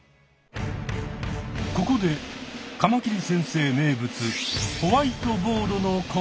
ここでカマキリ先生